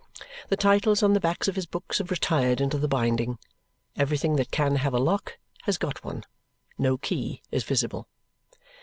The titles on the backs of his books have retired into the binding; everything that can have a lock has got one; no key is visible.